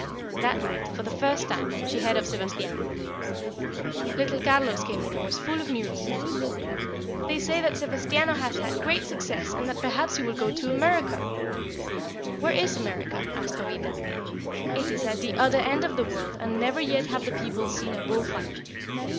That night, for the first time, she heard of Sebastiano. Little Carlos came in and was full of news. "They say that Sebastiano has had great success, and that perhaps he will go to America." "Where is America?" asked Jovita. "It is at the other end of the world, and never yet have the people seen a bull fight."